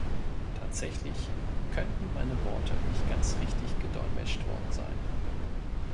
Tatsächlich könnten meine Worte nicht ganz richtig gedolmetscht worden sein.